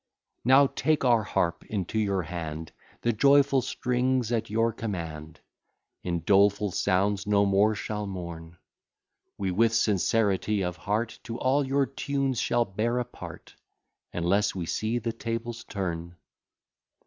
Now take our harp into your hand, The joyful strings, at your command, In doleful sounds no more shall mourn. We, with sincerity of heart, To all your tunes shall bear a part, Unless we see the tables turn.